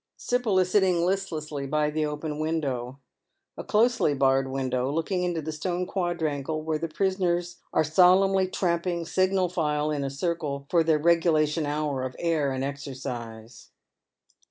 Sibyl is sitting listlessly by the open window — a closely barred window looking into the stone quadrangle where the prisoners are solemnly tramping, single file, in a circle, for their regulation hour of air and exercise.